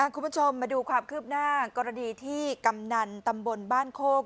คุณผู้ชมมาดูความคืบหน้ากรณีที่กำนันตำบลบ้านโคก